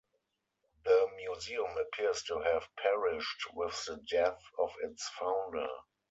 The museum appears to have perished with the death of its founder.